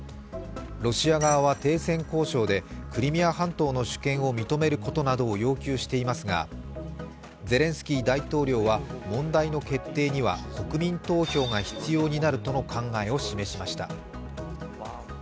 ロシア側は停戦交渉でクリミア半島の主権などを認めることなどを要求していますがゼレンスキー大統領は問題の決定には国民投票が必要になるとの考えを示しました。